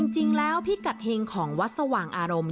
จริงแล้วพิกัดเฮงของวัดสว่างอารมณ์